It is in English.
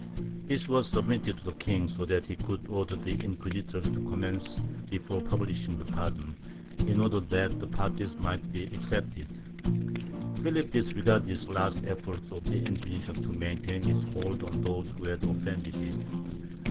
This was submitted to the king so that he could order the inquisitors to commence l^efore publishing the pardon, in order that the parties might be excepted. Philip disregarded this last effort of the Inquisition to maintain its hold on those who had offended it.